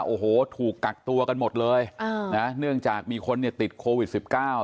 โอ้โหถูกกักตัวกันหมดเลยอ่านะเนื่องจากมีคนเนี่ยติดโควิดสิบเก้า